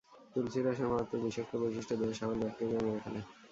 তুলসী রসের মারাত্মক বিষাক্ত বৈশিষ্ট দেহের সকল ব্যাকটেরিয়া মেরে ফেলে।